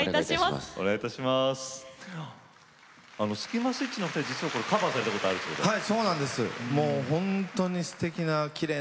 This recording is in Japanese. スキマスイッチのお二人はカバーされているそうですね。